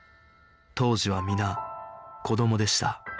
当時は皆子どもでした